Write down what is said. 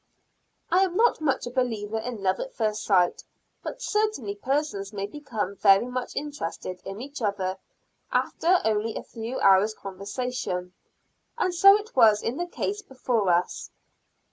I am not much of a believer in love at first sight, but certainly persons may become very much interested in each other after a few hours' conversation; and so it was in the case before us.